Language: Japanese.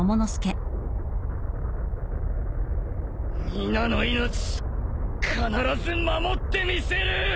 皆の命必ず守ってみせる！